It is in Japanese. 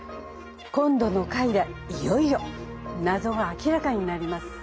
今度の回でいよいよ謎が明らかになります。